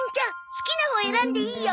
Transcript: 好きなほう選んでいいよ。